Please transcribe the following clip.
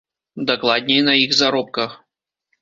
Дакладней, на іх заробках.